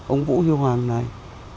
ông vũ hiêu hoàng này